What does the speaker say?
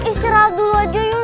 istirahat dulu aja yuk